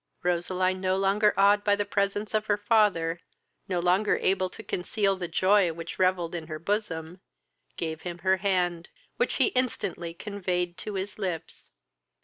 Roseline, no longer awed by the presence of her father, no longer able to conceal the joy which revelled in her bosom, gave him her hand, which he instantly conveyed to his lips.